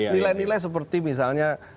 nilai nilai seperti misalnya